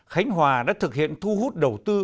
khánh hòa đã thực hiện thu hút đầu tư